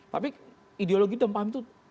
tapi ideologi itu paham itu